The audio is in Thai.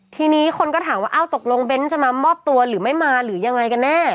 ทีนี้คนก็ถามว่าอ้าวตกลงเบ้นจะมามอบตัวหรือไม่มาหรือยังไงกันแน่